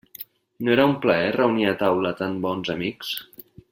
No era un plaer reunir a taula tan bons amics?